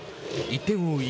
１点を追う